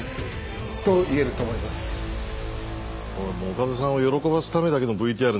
岡田さんを喜ばすためだけのＶＴＲのような。